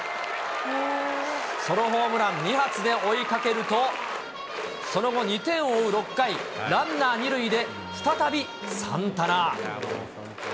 ソロホームラン２発で追いかけると、その後、２点を追う６回、ランナー２塁で、再びサンタナ。